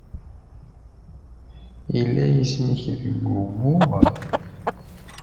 Yella yisem-ik deg umuɣ?